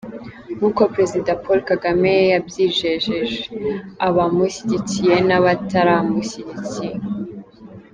Nkuko Perezida Paul Kagame yabyijeje abamushyigikiye n’abataramushyigikiye.